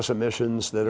ke emisi gas rumah kaca